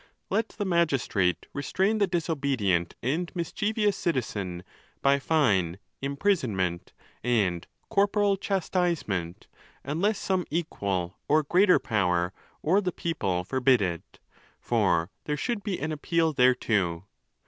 Let the magistrate restrain the disobedient and mischievous citizen, by " fine, imprisonment, and corporal chastisement ; unless some equal or greater power, or the people forbid it; for there should be an appeal thereto.